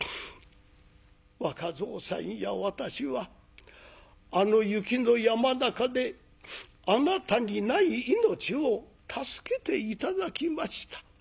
若蔵さんや私はあの雪の山中であなたにない命を助けて頂きました。